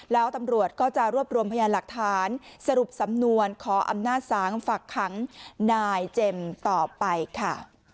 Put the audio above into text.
แล้วตำรวจก็จะรวบรวมพยานหลักฐานสรุปสำนวนขออำนาจศาลฝักขังนายเจมส์ต่อไปค่ะ